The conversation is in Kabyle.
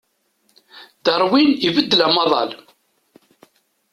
Darwin ibeddel amaḍal.